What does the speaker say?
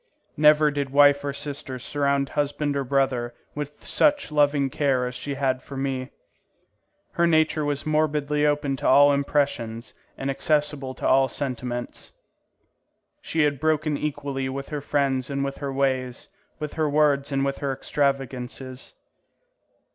Never did wife or sister surround husband or brother with such loving care as she had for me. Her nature was morbidly open to all impressions and accessible to all sentiments. She had broken equally with her friends and with her ways, with her words and with her extravagances.